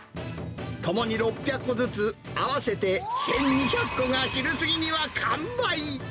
ともに６００個ずつ、合わせて１２００個が、昼過ぎには完売。